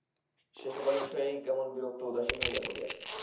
সে সকল বিষয়েই কেমন বিরক্ত উদাসীন হইয়া পড়িয়াছে।